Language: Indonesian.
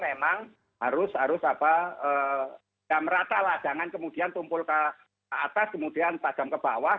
saya memang harus merata ladangan kemudian tumpul ke atas kemudian padam ke bawah